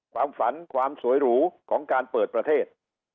ความฝันความสวยหรูของการเปิดประเทศ